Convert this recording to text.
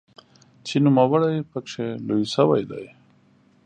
چې نوموړی پکې لوی شوی دی.